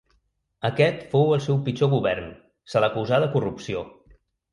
Aquest fou el seu pitjor govern, se l'acusà de corrupció.